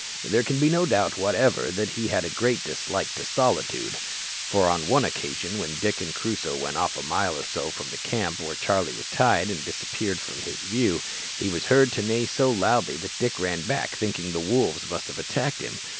There can be no doubt whatever that he had a great dislike to solitude; for on one occasion, when Dick and Crusoe went off a mile or so from the camp, where Charlie was tied, and disappeared from his view, he was heard to neigh so loudly that Dick ran back, thinking the wolves must have attacked him.